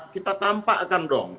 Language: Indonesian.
kita tampakkan dong